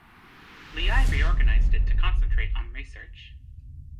Liais reorganized it to concentrate on research.